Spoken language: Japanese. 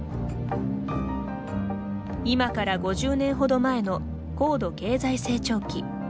今から５０年ほど前の高度経済成長期。